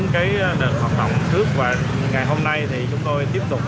cái đợt hoạt động trước và ngày hôm nay thì chúng tôi tiếp tục